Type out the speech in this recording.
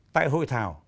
tại hội thảo